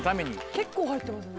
結構入ってますよね。